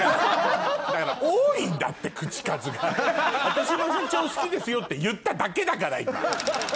「私も社長好きですよ」って言っただけだから今。